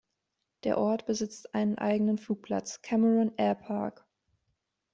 Der Ort besitzt einen eigenen Flugplatz, Cameron Airpark.